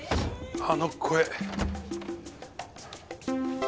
あの声。